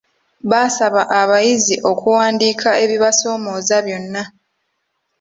Baasaba abayizi okuwandiika ebibasoomooza byonna.